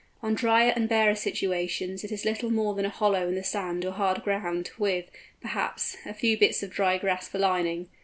On drier and barer situations it is little more than a hollow in the sand or hard ground, with, perhaps, a few bits of dry grass for lining.